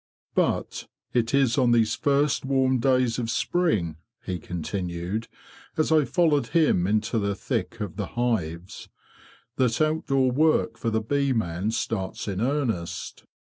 '''" But it is on these first warm days of spring," he continued, as I followed him into the thick of the hives, '' that outdoor work for the bee man starts in earnest.